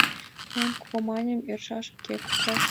План кугу манын, ӧршаш уке, кутыра семынже.